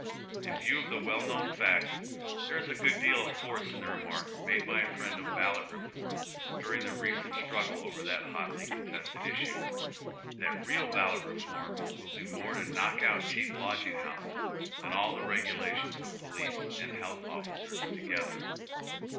In view of the well known facts, there is a good deal of force in the remark made by a friend of ballot re form during tlie recent struggle over tliat hotly contested issue, that real ballot reform will do more to knock out cheap lodging liouses than ail the regulations of police and health oflicers together.